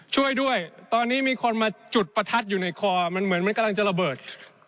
ช่วยด้วยตอนนี้มีคนมาจุดประทัดอยู่ในคอมันเหมือนมันกำลังจะระเบิด